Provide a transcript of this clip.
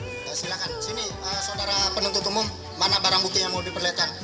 silahkan sini saudara penuntut umum mana barang bukti yang mau diperlihatkan